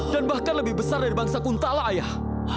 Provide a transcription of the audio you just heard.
dan bahkan lebih besar dari bangsa kuntala ayah